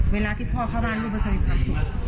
เวลาที่พ่อเข้าบ้านลูกไม่เคยมีความสุข